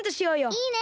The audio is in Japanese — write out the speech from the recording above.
いいね！